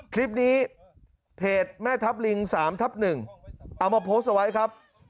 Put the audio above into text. คลิปนี้เพจแม่ทัพลิง๓ทับ๑เอามาโพสต์เอาไว้ครับ